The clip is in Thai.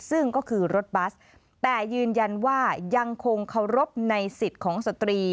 ซึ่งก็คือรถบัสแต่ยืนยันว่ายังคงเคารพในสิทธิ์ของสตรี